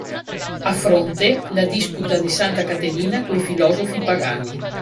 A fronte, la "Disputa di Santa Caterina coi filosofi pagani".